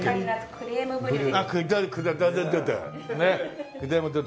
クリームブリュレ。